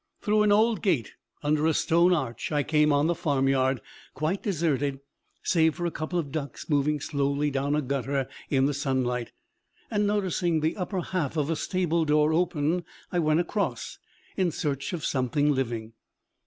Through an old gate under a stone arch I came on the farmyard, quite deserted save for a couple of ducks moving slowly down a gutter in the sunlight; and noticing the upper half of a stable door open, I went across, in search of something living.